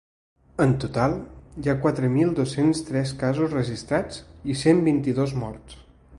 En total, hi ha quatre mil dos-cents tres casos registrats i cent vint-i-dos morts.